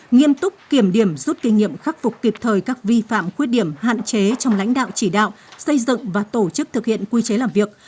nghiêm túc kiểm điểm rút kinh nghiệm khắc phục kịp thời các vi phạm khuyết điểm hạn chế trong lãnh đạo chỉ đạo xây dựng và tổ chức thực hiện quy chế làm việc